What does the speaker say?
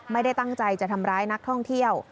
ไม่ได้ตั้งใจจะทำร้ายนักท่องเที่ยว